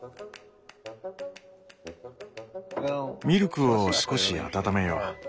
ミルクを少し温めよう。